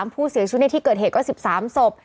ผู้เสียชีวิตในที่เกิดเหตุก็๑๓ศพ